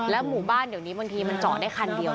หมู่บ้านเดี๋ยวนี้บางทีมันเจาะได้คันเดียว